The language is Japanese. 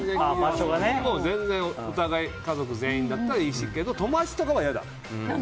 全然お互い家族全員だったらいいけど友達とかは嫌だ。